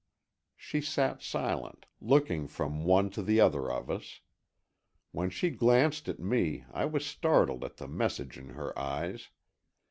She sat silent, looking from one to the other of us. When she glanced at me I was startled at the message in her eyes.